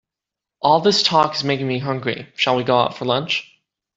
All this talk is making me hungry, shall we go out for lunch?